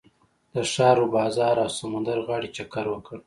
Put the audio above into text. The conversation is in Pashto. د ښار و بازار او سمندر غاړې چکر وکړ.